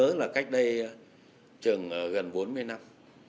nhớ là cách đây chừng gần bốn mươi năm